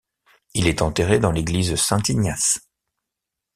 Il est enterré dans l'église Saint-Ignace.